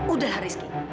udah lah rizky